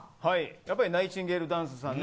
やっぱりナイチンゲールダンスさん